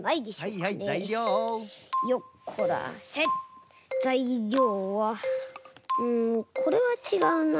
うんこれはちがうな。